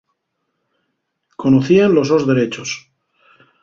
Conocíen los sos derechos.